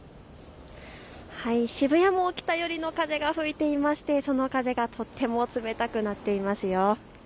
渋谷も北寄りの風が吹いていまして、その風がとても冷たくなっています。